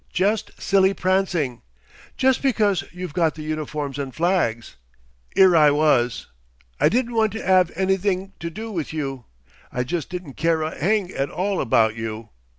Jest silly prancing! Jest because you've got the uniforms and flags! 'Ere I was I didn't want to 'ave anything to do with you. I jest didn't care a 'eng at all about you.